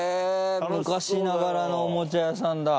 昔ながらのおもちゃ屋さんだ。